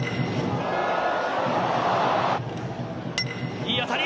いい当たり。